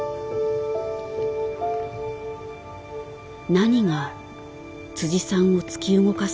何がさんを突き動かすのか。